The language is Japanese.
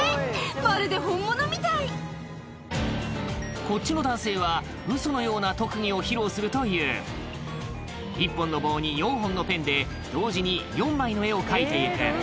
まるで本物みたいこっちの男性はウソのような特技を披露するという１本の棒に４本のペンで同時に４枚の絵を描いて行く